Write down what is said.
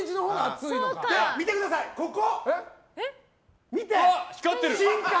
見てください、ここ。